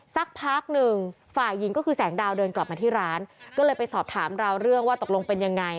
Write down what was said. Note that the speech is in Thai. สักพักหนึ่งฝ่ายหญิงก็คือแสงดาวเดินกลับมาที่ร้านก็เลยไปสอบถามราวเรื่องว่าตกลงเป็นยังไง